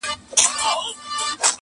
یوې لويی زړې وني ته دمه سول -